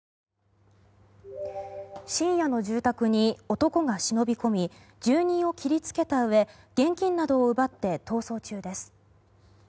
深夜の住宅に男が忍び込み住人を切りつけたうえ現金などを奪って逃走中です。